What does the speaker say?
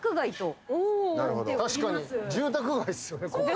確かに住宅街っすよねここ。